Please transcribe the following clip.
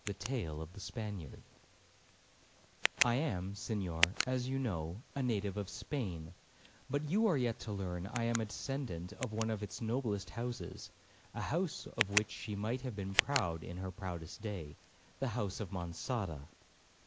Tale of the Spaniard 'I am, Senhor, as you know, a native of Spain, but you are yet to learn I am a descendant of one of its noblest houses,—a house of which she might have been proud in her proudest day,—the house of Monçada.